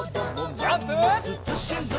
ジャンプ！